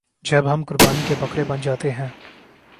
جب ہم قربانی کے بکرے بن جاتے ہیں۔